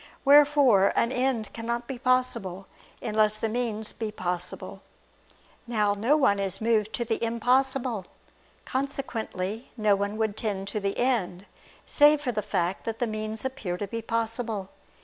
Wherefore an end cannot be possible, unless the means be possible. Now no one is moved to the impossible. Consequently no one would tend to the end, save for the fact that the means appear to be possible.